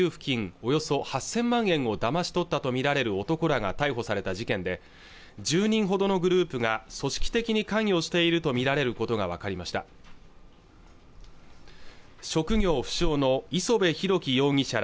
およそ８０００万円をだまし取ったと見られる男らが逮捕された事件で１０人ほどのグループが組織的に関与していると見られることが分かりました職業不詳の磯辺裕樹容疑者ら